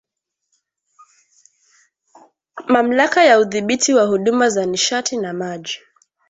Mamlaka ya Udhibiti wa Huduma za Nishati na Maji